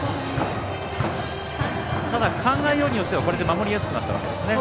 ただ考えようによっては守りやすくなったわけですね。